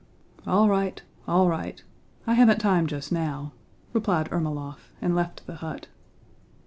"All right—all right. I haven't time just now," replied Ermólov, and left the hut.